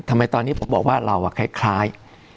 ทำไมตอนนี้ผมบอกว่าเราคล้าย